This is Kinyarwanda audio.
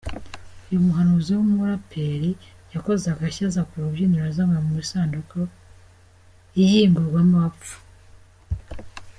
Uyu muhanzi w’ umuraperi yakoze agashya aza ku rubyiniro azanywe mu isanduku iyingurwamo abapfu.